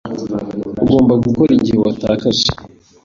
Ugomba gukora igihe watakaje.